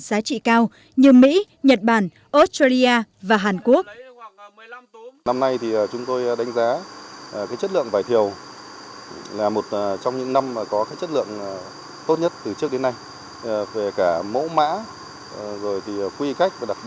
giá trị cao như mỹ nhật bản australia và hàn quốc